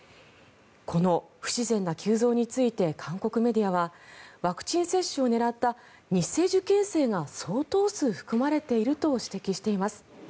この不自然な急増について韓国メディアはワクチン接種を狙った偽受験生が相当数含まれていると指摘しています。